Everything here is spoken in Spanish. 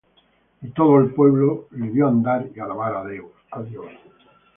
Y todo el pueblo le vió andar y alabar á Dios.